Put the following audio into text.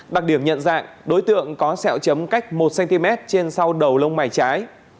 đặc điểm nhận dạng đối tượng có xẹo chấm cách một cm trên sau đầu lông mày trái